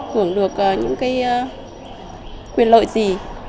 hưởng được những quyền lợi gì